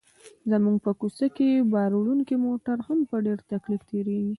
زموږ په کوڅه کې باروړونکي موټر هم په ډېر تکلیف تېرېږي.